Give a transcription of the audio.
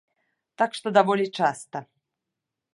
Так што даволі часта.